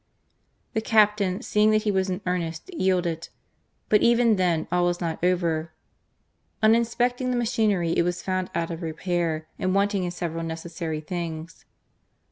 The captain seeing that he was in earnest, yielded. But THE FIGHT OF J A MB ELL i6r even then, all was not over. On inspecting the machinery it was found out of repair, and wanting in several necessary things.